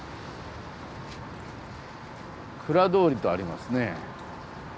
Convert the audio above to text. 蔵通りとありますね。